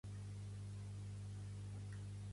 Pertany al moviment independentista el Felip?